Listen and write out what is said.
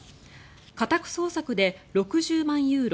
家宅捜索で６０万ユーロ